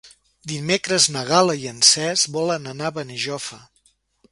Dimecres na Gal·la i en Cesc volen anar a Benijòfar.